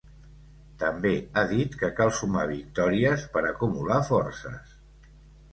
També ha dit que cal sumar victòries per ‘acumular forces’.